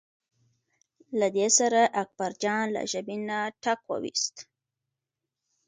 له دې سره اکبرجان له ژبې نه ټک وویست.